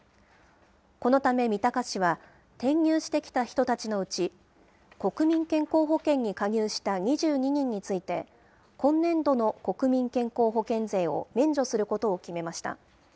このため三鷹市は、転入してきた人たちのうち、国民健康保険に加入した２２人について、今年度の国民健康保険税を免除することを決めました。